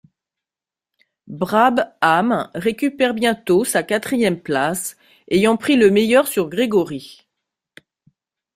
Brabham récupère bientôt sa quatrième place, ayant pris le meilleur sur Gregory.